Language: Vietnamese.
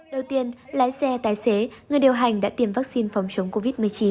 đầu tiên lái xe tài xế người điều hành đã tiêm vaccine phòng chống covid một mươi chín